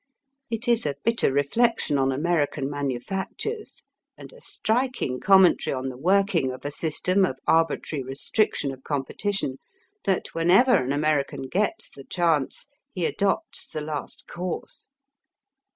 It is a bitter reflection on American manufactures, and a striking commentary on the working of a system of arbitrary restriction of competition, that when ever an American gets the chance, he adopts the last course.